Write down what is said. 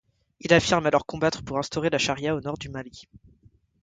Il affirme alors combattre pour instaurer la charia au nord du Mali.